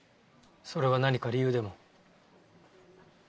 それは何か理由でも？